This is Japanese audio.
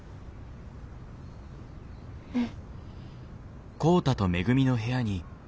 うん。